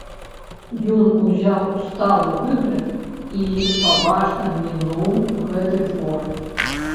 Ён узяў сталы выгляд і паважна мінуў гэты двор.